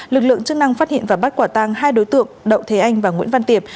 lực lượng chức năng phát hiện và bắt quả tang hai đối tượng đậu thế anh và nguyễn văn tiệp